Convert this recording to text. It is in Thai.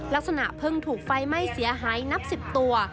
ลักษณะเพิ่งถูกไฟไหม้เสียหายนับ๑๐ตัว